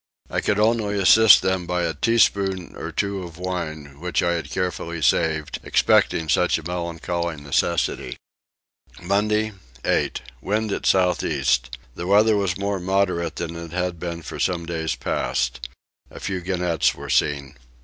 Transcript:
I could only assist them by a teaspoonful or two of wine which I had carefully saved, expecting such a melancholy necessity. Monday 8. Wind at south east. The weather was more moderate than it had been for some days past. A few gannets were seen.